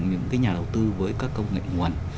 những nhà đầu tư với các công nghệ nguồn